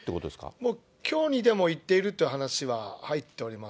もうきょうにでも行っているという話は入っております。